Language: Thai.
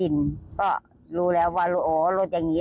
เนี่ยอย่างงี้